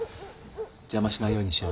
邪魔しないようにしような。